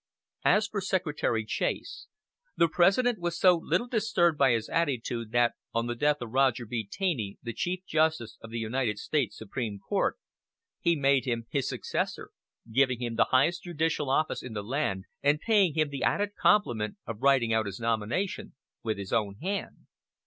As for Secretary Chase, the President was so little disturbed by his attitude that, on the death of Roger B. Taney, the Chief Justice of the United States Supreme Court, he made him his successor, giving him the highest judicial office in the land, and paying him the added compliment of writing out his nomination with his own hand.